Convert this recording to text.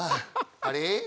あれ？